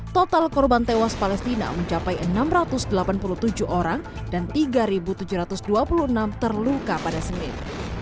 total korban tewas palestina mencapai enam ratus delapan puluh tujuh orang dan tiga tujuh ratus dua puluh enam terluka pada senin